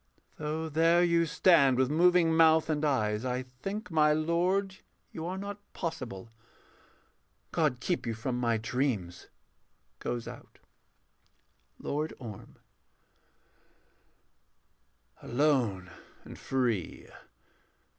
Though there you stand with moving mouth and eyes, I think, my lord, you are not possible God keep you from my dreams. [Goes out.] LORD ORM. Alone and free.